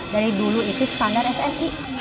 dari dulu itu standar smi